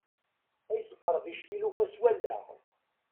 Ad yesqerdic tilufa s wallaɣ.